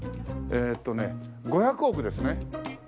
えーっとね５００億ですね。